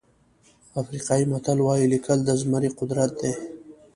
افریقایي متل وایي لیکل د زمري قدرت دی.